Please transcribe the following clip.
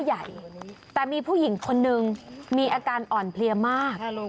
ใหญ่แต่มีผู้หญิงคนนึงมีอาการอ่อนเพลียมาก